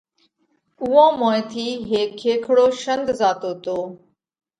اُوئون موئين ٿِي هيڪ کيکڙو شينڌ زاتو تو۔